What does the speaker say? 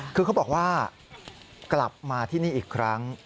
คือเขาบอกว่ากลับมาที่นี่อีกครั้ง